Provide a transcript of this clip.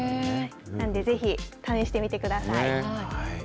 なんでぜひ、試してみてください。